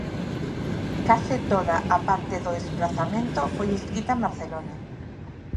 Case toda a parte do desprazamento foi escrita en Barcelona.